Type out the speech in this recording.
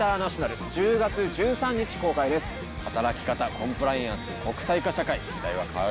コンプライアンス国際化社会時代は変わりました。